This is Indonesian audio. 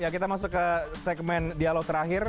kita masuk ke segmen dialog terakhir